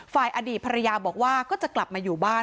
อดีตภรรยาบอกว่าก็จะกลับมาอยู่บ้าน